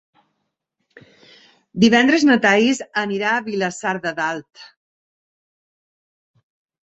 Divendres na Thaís anirà a Vilassar de Dalt.